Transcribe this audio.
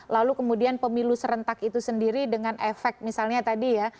lalu kemudian pemilu serentak itu sendiri dengan efek misalnya tadi ya